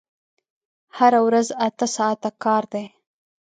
هره ورځ اته ساعته کار دی!